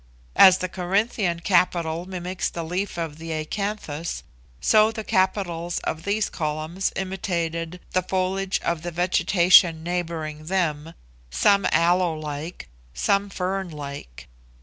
As the Corinthian capital mimics the leaf of the acanthus, so the capitals of these columns imitated the foliage of the vegetation neighbouring them, some aloe like, some fern like.